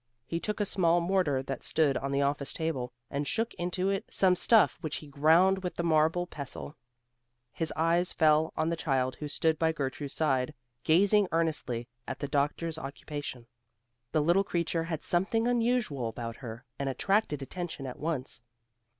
He took a small mortar that stood on the office table, and shook into it some stuff which he ground with the marble pestle. His eyes fell on the child who stood by Gertrude's side, gazing earnestly at the doctors's occupation. The little creature had something unusual about her, and attracted attention at once.